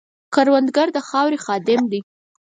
کروندګر د خاورې خادم دی